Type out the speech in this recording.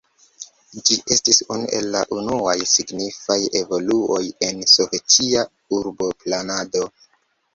Ĝi estis unu el la unuaj signifaj evoluoj en sovetia urboplanado.